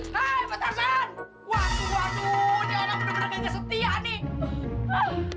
hei pak tarzan waduh waduh ini orang bener bener gak setia nih